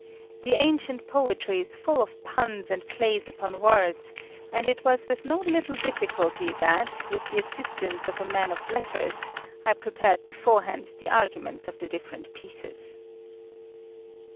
The ancient poetry is full of puns and plays upon words, and it was with no little difficulty that, with the assistance of a man of letters, I prepared beforehand the arguments of the different pieces.